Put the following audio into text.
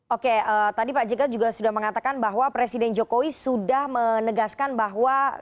oke tadi pak jk juga sudah mengatakan bahwa presiden jokowi sudah menegaskan bahwa